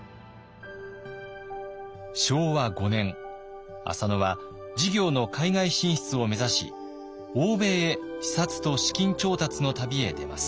昭和５年浅野は事業の海外進出を目指し欧米へ視察と資金調達の旅へ出ます。